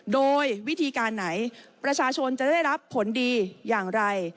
โดยวิธีการไหนประชาชนจะได้รับผลดีอย่างไร